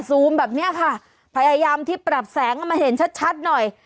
ซูมแบบเนี้ยค่ะพยายามที่ปรับแสงมาเห็นชัดชัดหน่อย